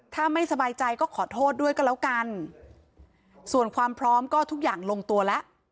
ถ้าไม่สบายใจก็ขอโทษด้วยก็แล้วกันส่วนความพร้อมก็ทุกอย่างลงตัวแล้ว